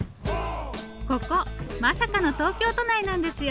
ここまさかの東京都内なんですよ。